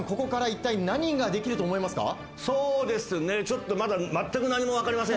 一体何ができると思いますか？